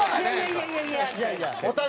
いやいや。